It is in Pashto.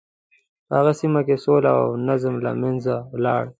په هغه سیمه کې سوله او نظم له منځه ولاړ.